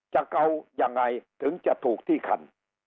จะเอายังไงถึงจะถูกที่คัน